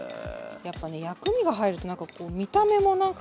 やっぱね薬味が入ると何かこう見た目も何か。